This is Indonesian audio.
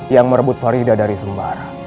yang merebut faridah dari sembara